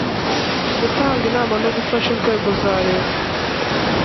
gutanga inama no gufasha inzego za leta